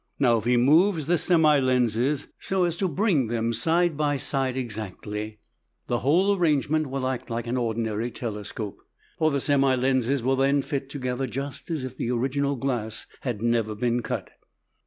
Now, if he moves the semi lenses so as to bring them side by side exactly, the whole arrangement will act like an ordinary telescope. For the semi lenses will then fit together just as if the original glass had never been cut.